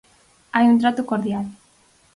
Hai un trato cordial.